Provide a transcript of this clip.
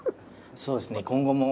そうですね今後も。